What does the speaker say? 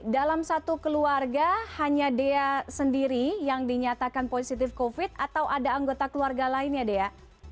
dalam satu keluarga hanya dea sendiri yang dinyatakan positif covid atau ada anggota keluarga lainnya dea